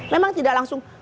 memang tidak langsung